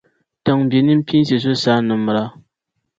Tiŋbia nimpiinsi so saan’ nimmira.